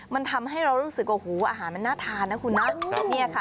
มันทำให้เรารู้สึกว่าหูอาหารมันน่าทานนะคุณนะ